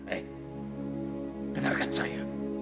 eh dengarkan saya